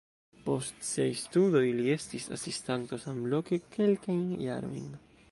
Post siaj studoj li estis asistanto samloke kelkajn jarojn.